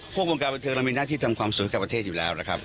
วงการบันเทิงเรามีหน้าที่ทำความสวยกับประเทศอยู่แล้วนะครับ